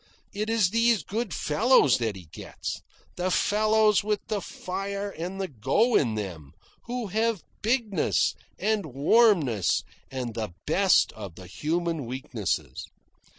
It is these good fellows that he gets the fellows with the fire and the go in them, who have bigness, and warmness, and the best of the human weaknesses.